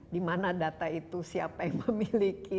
di mana data itu siapa yang memiliki